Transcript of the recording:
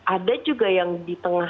ada juga yang di tengah